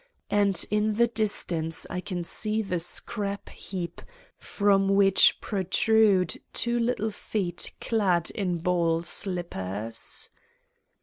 And in the distance I can see the scrap heap from which pro trude two little feet clad in ball slippers.